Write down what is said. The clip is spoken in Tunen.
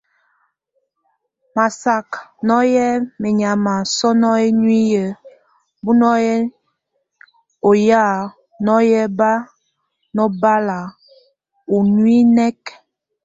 Má sak nɔ́ye menyama só ŋo nuiyi bɔ́ŋɔ nʼ onya nɔ́ye ba ŋobal unúŋek.